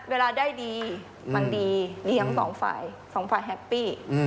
เวลาได้ดีมันดีดีทั้งสองฝ่ายสองฝ่ายแฮปปี้